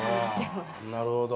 なるほど。